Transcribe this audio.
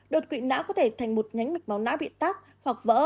đột quỵ náo có thể thành một nhánh mạch máu náo bị tắt hoặc vỡ